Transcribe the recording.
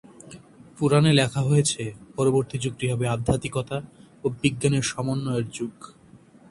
পুরাণে লেখা রয়েছে পরবর্তী যুগটি হবে আধ্যাত্মিকতা ও বিজ্ঞানের সমন্বয়ের যুগ।